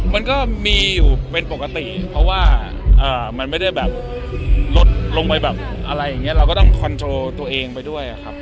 มันก็มีอยู่เป็นปกติเพราะว่ามันไม่ได้แบบลดลงไปแบบอะไรอย่างนี้เราก็ต้องคอนโทรตัวเองไปด้วยครับ